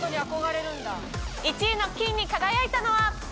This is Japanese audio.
１位の金に輝いたのは。